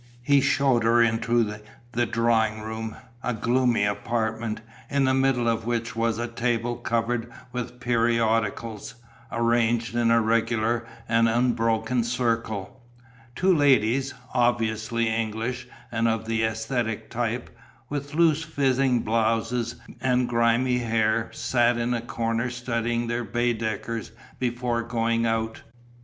He showed her into the drawing room, a gloomy apartment, in the middle of which was a table covered with periodicals, arranged in a regular and unbroken circle. Two ladies, obviously English and of the æsthetic type, with loose fitting blouses and grimy hair, sat in a corner studying their Baedekers before going out.